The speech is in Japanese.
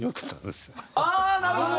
ああーなるほど！